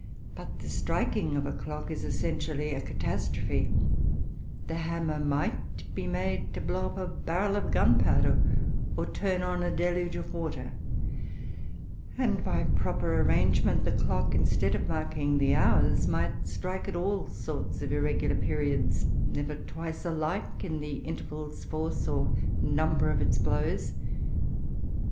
But the striking of the clock is essentially a catastrophe; the hammer might be made to blow up a barrel of gunpowder, or turn on a deluge of water; and, by proper arrangement, the clock, instead of marking the hours, might strike at all sorts of irregular periods, never twice alike, in the intervals, force, or number of its blows.